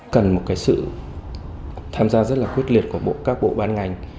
cần một cái sự tham gia rất là quyết liệt của các bộ ban ngành